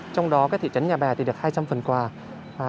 trong đó thị trấn nhà bè thì được hai trăm linh phần quà